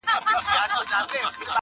نه مي علم نه دولت سي ستنولای!!